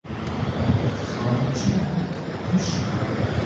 Xalîçeyan neşon.